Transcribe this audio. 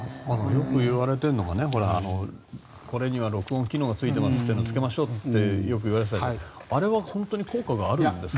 よく言われているのがこれには録音機能がついていますというのをつけましょうってよくいわれるけどあれは本当に効果があるんですか？